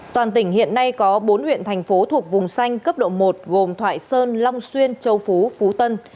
toàn tỉnh hiện nay có bốn huyện thành phố thuộc vùng xanh cấp độ một gồm thoại sơn long xuyên châu phú tân